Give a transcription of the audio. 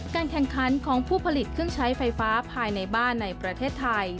แข่งขันของผู้ผลิตเครื่องใช้ไฟฟ้าภายในบ้านในประเทศไทย